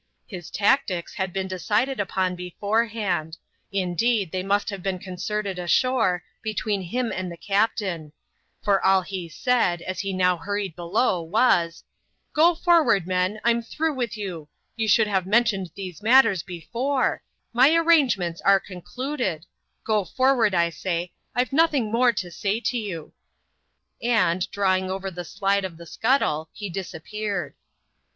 His tactics had been decided upon before hand ; indeed, they must have been concerted ashore, between tnm and the captain ; for all he said, as he now hurried below, sras, Go forward, men ; I'm through with you : you should lave mentioned these matters before : my arrangements are con cluded : go forward, I say ; I've nothing more to say to you. djid, drawing over the slide of the scuttle, he disappeared.